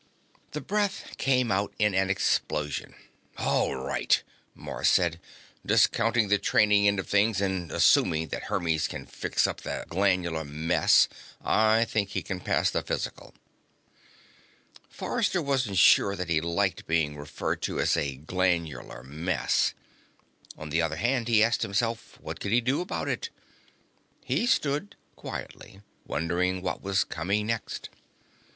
The breath came out in an explosion. "All right," Mars said. "Discounting the training end of things, and assuming that Hermes can fix up the glandular mess, I think he can pass the physical." Forrester wasn't sure that he liked being referred to as a glandular mess. On the other hand, he asked himself, what could he do about it? He stood quietly, wondering what was coming next.